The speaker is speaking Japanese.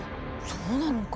そうなのか。